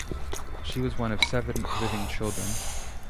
She was one of seven living children.